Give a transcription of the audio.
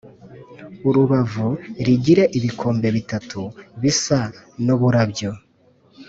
Urubavu rigire ibikombe bitatu bisa n’uburabyo